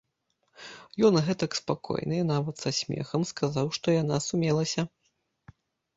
Ён гэтак спакойна і нават са смехам сказаў, што яна сумелася.